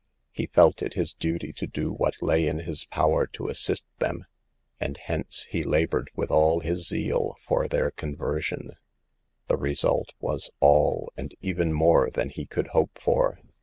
He felt it his duty to do what lay in his power to assist them, and HOW TO SAVE OUR ERRING SISTERS. 251 hence he labored with all his zeal fox their con version. The result was all, and even more than he could hope for.